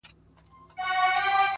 دا کیسه موږ ته را پاته له پېړیو.!